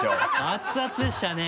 熱々でしたね。